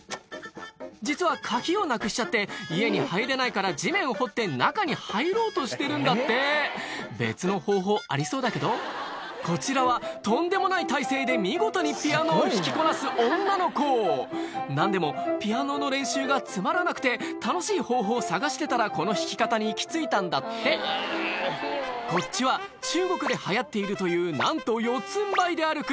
実は鍵をなくしちゃって家に入れないから地面を掘って中に入ろうとしてるんだって別の方法ありそうだけどこちらはとんでもない体勢で見事にピアノを弾きこなす女の子何でもピアノの練習がつまらなくて楽しい方法を探してたらこの弾き方に行き着いたんだってこっちは中国で流行っているというなんと四つんばいで歩く